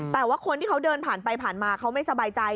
แต่ว่าคนที่เขาเดินผ่านไปผ่านมาเขาไม่สบายใจ